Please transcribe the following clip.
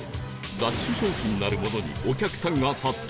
ラッシュ商品なるものにお客さんが殺到